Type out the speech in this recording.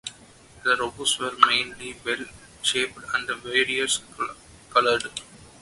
The Robos were mainly bell-shaped and variously coloured.